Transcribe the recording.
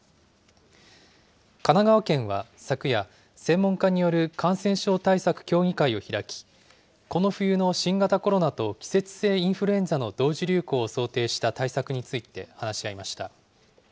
神奈川県は昨夜、専門家による感染症対策協議会を開き、この冬の新型コロナと季節性インフルエンザの同時流行を想定した対策について話し合いました。